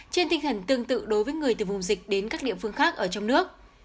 trên tinh thần tương tự đối với người từ vùng dịch đến các địa phương khác ở trong nước